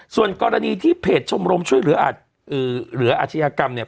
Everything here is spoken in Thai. ส่วนกรณีที่เพจชมรมช่วยเหลืออาจอืมเหลืออาชญากรรมเนี่ย